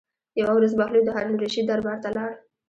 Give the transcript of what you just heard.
یوه ورځ بهلول د هارون الرشید دربار ته لاړ.